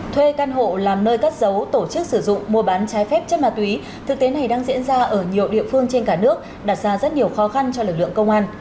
thuê căn hộ làm nơi cắt dấu tổ chức sử dụng mua bán trái phép chất ma túy thực tế này đang diễn ra ở nhiều địa phương trên cả nước đặt ra rất nhiều khó khăn cho lực lượng công an